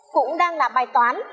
cũng đang là bài toán